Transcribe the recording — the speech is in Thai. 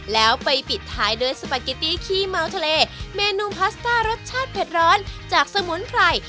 แล้วไปปิดท้ายด้วยสปาเกตตี้ขี้เมาทะเลเมนูพาสต้ารสชาติเผ็ดร้อนจากสมุนไพร